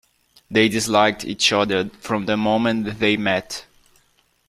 They disliked each other from the moment they met.